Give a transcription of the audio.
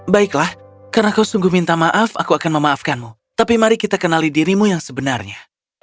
baiklah karena kau sungguh minta maaf aku akan memaafkanmu tapi mari kita kenali dirimu yang sebenarnya